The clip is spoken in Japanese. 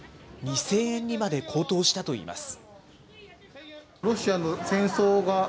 ２０００円にまで高騰したといいます。